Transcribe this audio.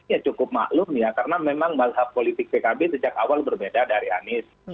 ya cukup maklum ya karena memang mazhab politik pkb sejak awal berbeda dari anies